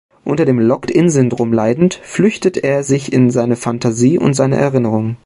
Unter dem Locked-in-Syndrom leidend, flüchtet er sich in seine Fantasie und seine Erinnerungen.